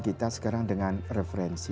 kita sekarang dengan referensi